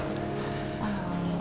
tadi dia udah pulang